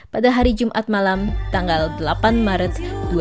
pada hari jumat malam tanggal delapan maret dua ribu dua puluh